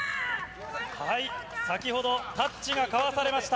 先ほど、タッチが交わされました。